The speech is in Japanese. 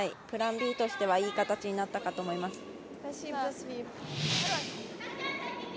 プランＢとしてはいい形になったかと思います。